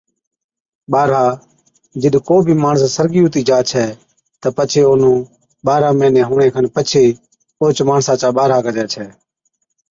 ٻارها، جِڏ ڪو بِي ماڻس سرگِي ھُتِي جا ڇَي تہ پڇي اونھُون ٻارھن مھِيني ھُوَڻي کن پڇي اوھچ ماڻسا چا ٻارھا ڪجَي ڇَي